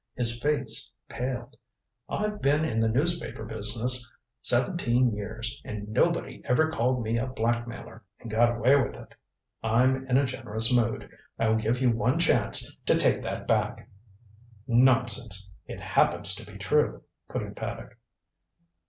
His face paled. "I've been in the newspaper business seventeen years, and nobody ever called me a blackmailer and got away with it. I'm in a generous mood. I'll give you one chance to take that back " "Nonsense. It happens to be true " put in Paddock.